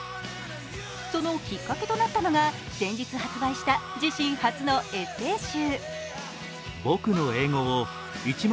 そのきっかけとなったのが先日発売した自身初のエッセー集。